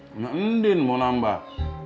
nggak ndin mau nambah